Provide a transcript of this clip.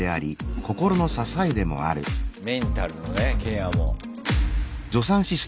メンタルのねケアも。